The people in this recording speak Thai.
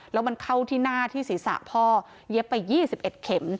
แล้วมันเข้าที่หน้าที่ศีรษะพ่อเย็บไปยี่สิบเอ็ดเข็ม